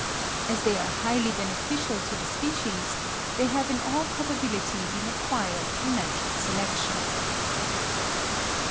As they are highly beneficial to the species, they have in all probability been acquired through natural selection.